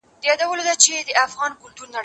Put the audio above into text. ته ولي مېوې راټولې کوې